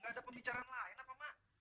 gak ada pembicaraan lain apa mak